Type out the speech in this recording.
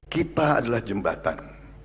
kita adalah jembatan